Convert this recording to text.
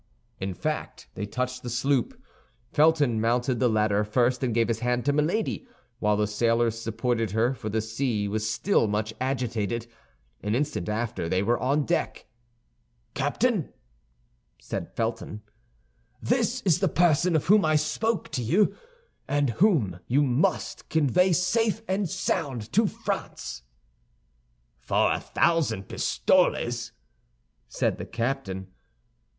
In fact, they touched the sloop. Felton mounted the ladder first, and gave his hand to Milady, while the sailors supported her, for the sea was still much agitated. An instant after they were on the deck. "Captain," said Felton, "this is the person of whom I spoke to you, and whom you must convey safe and sound to France." "For a thousand pistoles," said the captain.